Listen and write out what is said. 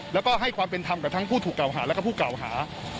แล้วก็ให้ความเป็นธรรมกับทั้งผู้ถูกเก่าหาและผู้เก่าหา